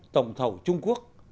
tổng thầu trung quốc